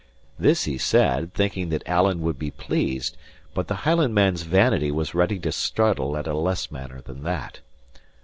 This he said, thinking that Alan would be pleased; but the Highlandman's vanity was ready to startle at a less matter than that.